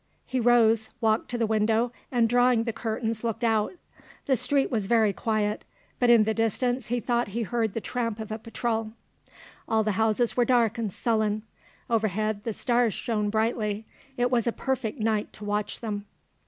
He rose, walked to the window, and drawing the curtains looked out. The street was very quiet, but in the distance he thought he heard the tramp of a patrol. All the houses were dark and sullen; overhead the stars shone brightly; it was a perfect night to watch them.